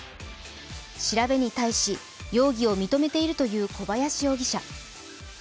調べに対し、容疑を認めているという小林容疑者。